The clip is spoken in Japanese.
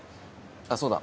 あっそうだ。